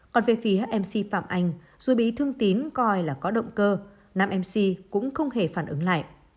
còn về phía mc phạm anh dù bí thương tín coi là có động cơ nam mc cũng không hề phản ứng lại